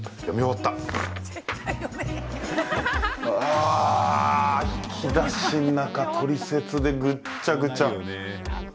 ああ、引き出しの中トリセツでぐっちゃぐちゃ。